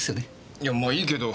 いやまあいいけど。